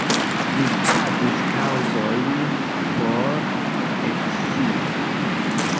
Mi havis kaŭzojn por eksidi.